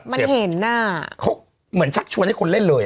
มันเห็นอ่ะเขาเหมือนชักชวนให้คนเล่นเลย